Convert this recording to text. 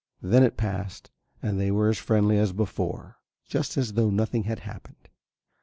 Then it passed and they were as friendly as before, just as though nothing had happened.